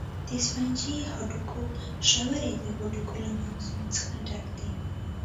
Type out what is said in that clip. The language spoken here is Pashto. د سفنجي هډوکو ژورې د هډوکو له مغزو څخه ډکې دي.